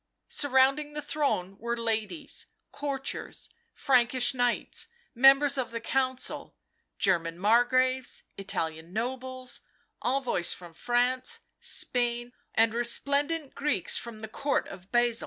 Surrounding the throne were ladies, courtiers, Frankish knights, members of the Council, German Margraves, Italian nobles, envoys from France, Spain, and resplendent Greeks from the Court of Basil.